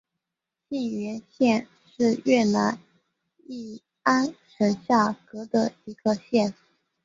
兴元县是越南乂安省下辖的一个县。